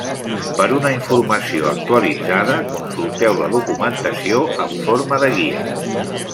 Per una informació actualitzada, consulteu la documentació en forma de guia.